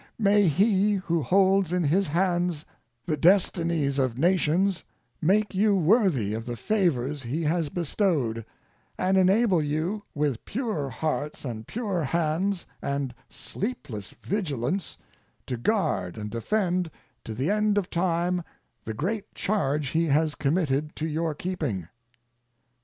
May He who holds in His hands the destinies of nations make you worthy of the favors He has bestowed and enable you, with pure hearts and pure hands and sleepless vigilance, to guard and defend to the end of time the great charge He has committed to your keeping.